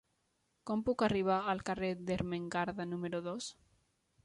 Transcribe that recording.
Com puc arribar al carrer d'Ermengarda número dos?